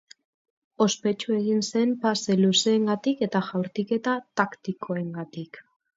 Ospetsu egin zen pase luzeengatik eta jaurtiketa taktikoengatik.